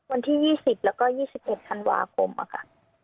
ันที่๒๐และ๒๑ธันหวังโอโกมอ่ะค่ะ